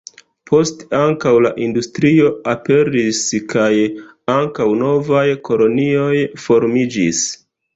Poste ankaŭ la industrio aperis kaj ankaŭ novaj kolonioj formiĝis.